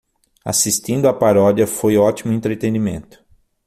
Assistindo a paródia foi ótimo entretenimento.